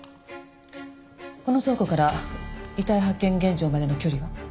この倉庫から遺体発見現場までの距離は？